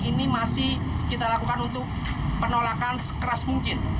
ini masih kita lakukan untuk penolakan sekeras mungkin